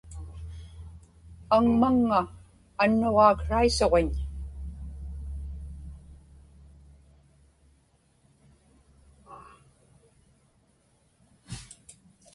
aŋmaŋŋa annuraaksraisuġiñ